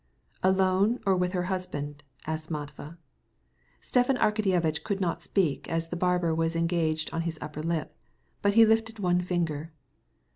"Alone, or with her husband?" inquired Matvey. Stepan Arkadyevitch could not answer, as the barber was at work on his upper lip, and he raised one finger.